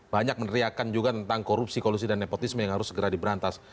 banyak meneriakan juga tentang korupsi kolusi dan nepotisme yang harus segera diberantas